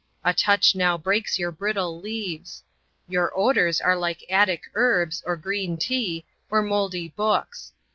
A touch now breaks your brittle leaves. Your odors are like attic herbs, or green tea, or mouldy books.